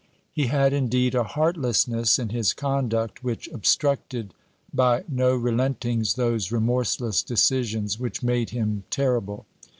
He had, indeed, a heartlessness in his conduct which obstructed by no relentings those remorseless decisions which made him terrible.